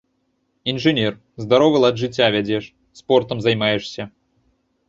Інжынер, здаровы лад жыцця вядзеш, спортам займаешся.